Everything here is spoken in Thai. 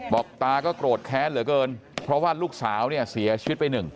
บอกตาก็โกรธแค้นเหลือเกินเพราะว่าลูกสาวเนี่ยเสียชีวิตไปหนึ่ง